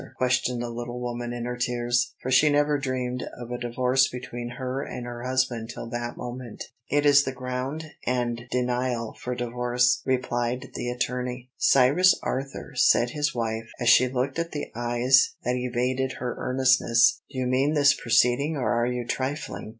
questioned the little woman in her tears, for she never dreamed of a divorce between her and her husband till that moment. "It is the ground and denial for divorce," replied the attorney. "Cyrus Arthur," said his wife, as she looked at the eyes that evaded her earnestness, "do you mean this proceeding, or are you trifling?"